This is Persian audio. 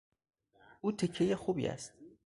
او تیکهی خوبی است.